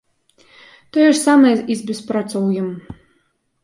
Тое ж самае і з беспрацоўем.